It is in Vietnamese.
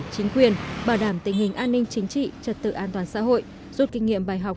chính quyền bảo đảm tình hình an ninh chính trị trật tự an toàn xã hội rút kinh nghiệm bài học